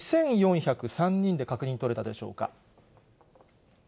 ２４０３人で確認取れたでしょうが。